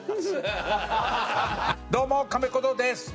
どうもカメ小僧です。